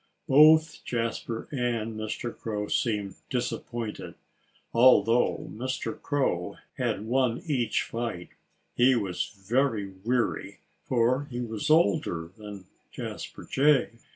Both Jasper and Mr. Crow seemed disappointed. Although Mr. Crow had won each fight, he was very weary, for he was older than Jasper Jay.